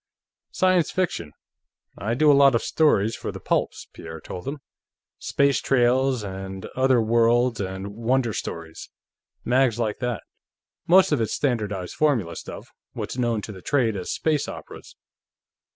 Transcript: "Science fiction. I do a lot of stories for the pulps," Pierre told him. "Space Trails, and Other Worlds, and Wonder Stories; mags like that. Most of it's standardized formula stuff; what's known to the trade as space operas.